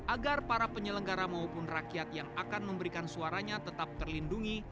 agar para penyelenggara maupun rakyat yang akan memberikan suaranya tetap terlindungi